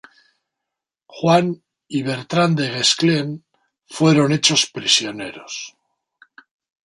Juan y Bertrand du Guesclin fueron hechos prisioneros.